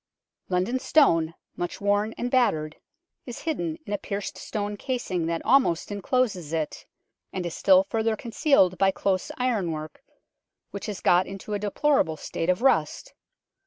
London Stone, much worn and battered, is hidden in a pierced stone casing that almost encloses it, and is still further concealed by close ironwork, which has got into a deplorable state of rust.